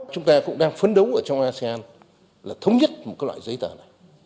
chúng ta cũng đang phấn đấu ở trong asean là thống nhất một loại giấy tờ này